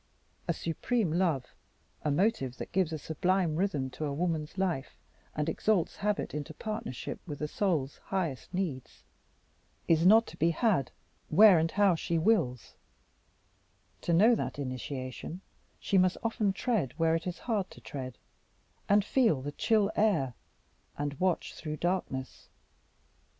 A supreme love, a motive that gives a sublime rhythm to a woman's life, and exalts habit into partnership with the soul's highest needs, is not to be had where and how she wills: to know that high initiation, she must often tread where it is hard to tread, and feel the chill air, and watch through darkness.